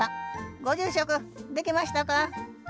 ご住職できましたか？